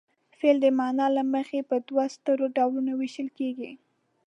فعل د معنا له مخې په دوو سترو ډولونو ویشل کیږي.